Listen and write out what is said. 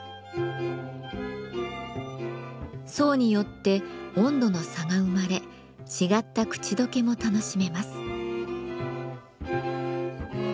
層によって温度の差が生まれ違った口溶けも楽しめます。